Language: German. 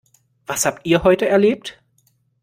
Was habt ihr heute erlebt?